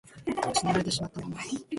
失われてしまったもの